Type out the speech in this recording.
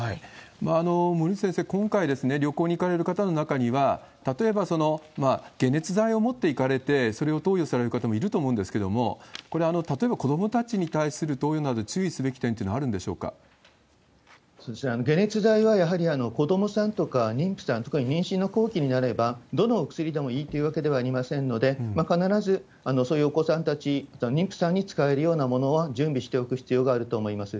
森内先生、今回、旅行に行かれる方の中には、例えば、解熱剤を持っていかれて、それを投与される方もいると思うんですけれども、これ、例えば子どもたちに対する投与など、注意すべき点というのはある解熱剤はやはり子どもさんとか妊婦さん、特に妊娠の後期になれば、どのお薬でもいいというわけではありませんので、必ずそういうお子さんたち、妊婦さんに使えるようなものは準備しておく必要があると思います。